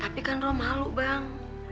tapi kan roh malu bang